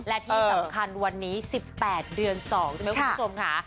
และที่สำคัญวันนี้๑๘เดือน๒ใช่ไหมคุณผู้ชมค่ะ